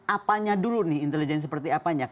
apanya dulu nih intelijen seperti apanya